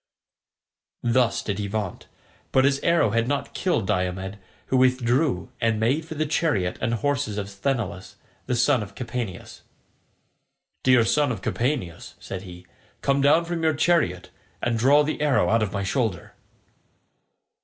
Thus did he vaunt; but his arrow had not killed Diomed, who withdrew and made for the chariot and horses of Sthenelus, the son of Capaneus. "Dear son of Capaneus," said he, "come down from your chariot, and draw the arrow out of my shoulder."